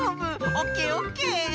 オッケーオッケー！